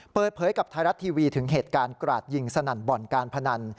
เปิดเผยกับไทยรัฐทีวีถึงเหตุการณ์กราดยิงสนั่นบ่อนการพนัน